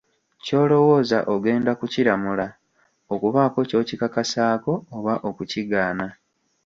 Ky'olowooza ogenda kukiramula, okubaako ky'okikakasaako oba okukigaana.